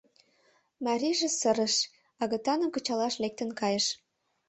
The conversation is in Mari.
Марийже сырыш, агытаным кычалаш лектын кайыш.